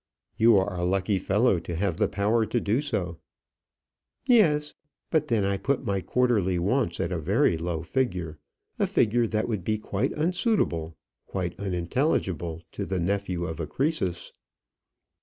"You are a lucky fellow to have the power to do so." "Yes, but then I put my quarterly wants at a very low figure; a figure that would be quite unsuitable quite unintelligible to the nephew of a Croesus."